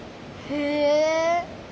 へえ。